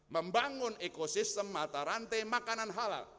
membangun ekosistem mata rantai makanan halal